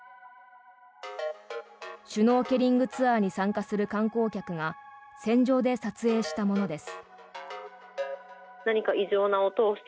シュノーケリングツアーに参加する観光客が船上で撮影したものです。